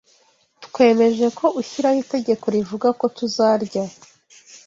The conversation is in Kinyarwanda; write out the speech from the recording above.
twemeje ko ushyiraho itegeko rivuga ko tuzarya